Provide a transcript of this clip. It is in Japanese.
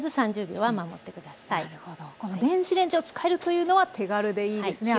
この電子レンジを使えるというのは手軽でいいですね。